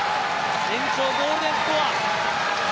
延長、ゴールデンスコア。